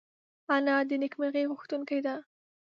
انا د نېکمرغۍ غوښتونکې ده